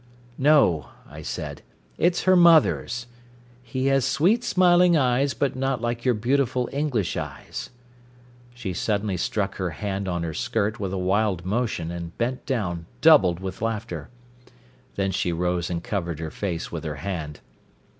"No," I said. "It's her mother's. 'He has sweet smiling eyes, but not like your beautiful English eyes '" She suddenly struck her hand on her skirt with a wild motion, and bent down, doubled with laughter. Then she rose and covered her face with her hand.